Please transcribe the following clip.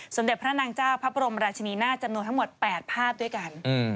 สมเด็จพระนางเจ้าพระบรมราชนีนาฏจำนวนทั้งหมด๘ภาพด้วยกัน